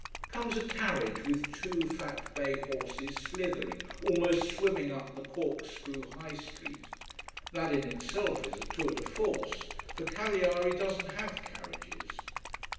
Comes a carriage with two fat bay horses slithering, almost swimming up the corkscrew high street. That in itself is a "tour de force": for Cagliari doesn't have carriages.